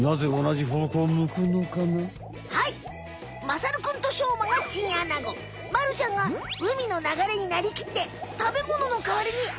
まさるくんとしょうまがチンアナゴまるちゃんが海の流れになりきって食べもののかわりに綿を飛ばすよ。